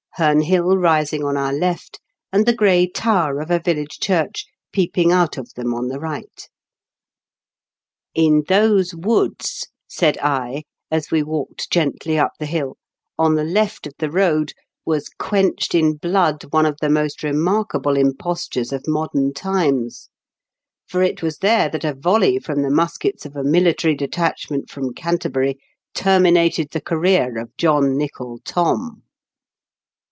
Heme Hill rising on our left, and the gray tower of a village church peeping out of them on the right. "In those woods," said I, as we walked gently up the hill, "on the left of the road,, was quenched in blood one of the most remarkable impostures of modem times ; for it was there that a volley from the muskets of a military detachment from Canterbury terminated the career of John Nichol Thom."